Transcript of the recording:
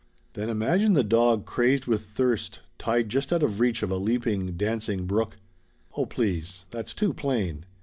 "Then imagine the dog crazed with thirst tied just out of reach of a leaping, dancing brook " "Oh please. That's too plain."